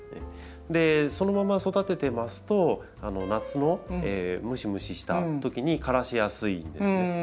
そのまま育ててますと夏のムシムシしたときに枯らしやすいんですね。